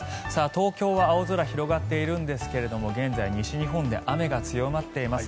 東京は青空広がっているんですけれど現在、西日本で雨が強まっています。